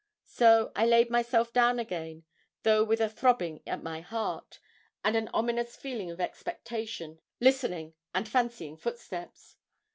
So I laid myself down again, though with a throbbing at my heart, and an ominous feeling of expectation, listening and fancying footsteps.